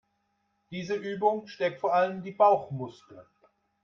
Diese Übung stärkt vor allem die Bauchmuskeln.